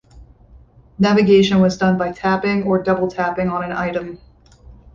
Navigation was done by tapping or double tapping on an item.